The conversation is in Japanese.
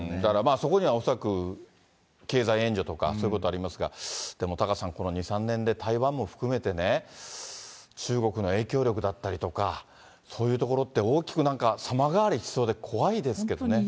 そこには恐らく経済援助とかそういうことありますが、でもタカさん、この２、３年で、台湾も含めてね、中国の影響力だったりとか、そういうところって大きくなんか様変わりしそうで怖いですけどね。